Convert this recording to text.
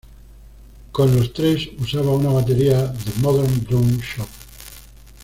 Con Los Tres, usaba una batería "The Modern Drum Shop".